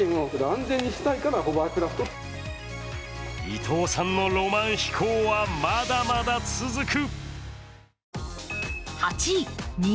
伊藤さんのロマン飛行はまだまだ続く。